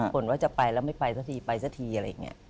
บ่นว่าจะไปแล้วไม่ไปซะทีอะไรอย่างเนี่ย